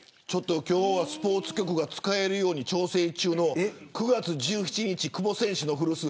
今日はスポーツ局が使えるように調整中の９月１７日、久保選手の古巣